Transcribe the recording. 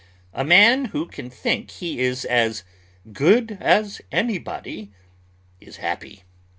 A man who can think he is as "good as anybody" is happy.